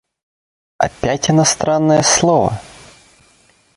Опять иностранное слово!